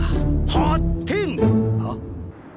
８点！は？